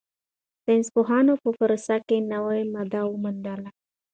ساینسپوهانو په پاریس کې نوې ماده وموندله.